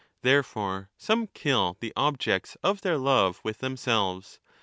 ^ Therefore some kill the objects of their love with themselves.